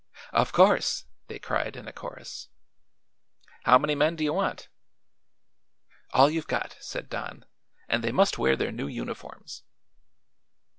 "Of course!" they cried in a chorus. "How many men do you want?" "All you've got," said Don; "and they must wear their new uniforms."